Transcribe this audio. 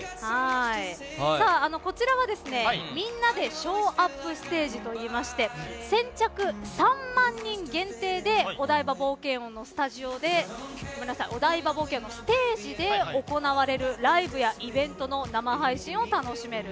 こちらはみんなでＳＨＯＷＵＰステージといいまして先着３万人限定でお台場冒険王のステージで行われるライブやイベントの生配信を楽しめる。